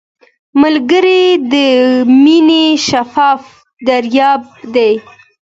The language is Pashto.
ملګری د مینې شفاف دریاب دی